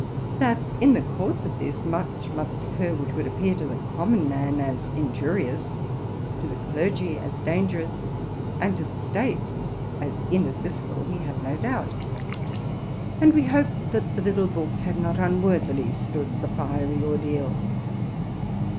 That, in the course of this, much must RELATING TO MY LIFE. 87 oeeur which would appear to the common man as injurious, to the clergy as dangerous, and to the state as inadmissible, we had no doubt; and we hoped that the little book had not unworthily stood the fiery ordeal.